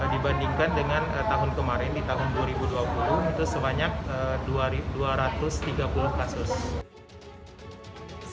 dibandingkan dengan tahun kemarin di tahun dua ribu dua puluh itu sebanyak dua ratus tiga puluh kasus